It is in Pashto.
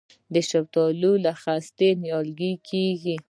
د شفتالو له خستې نیالګی کیږي؟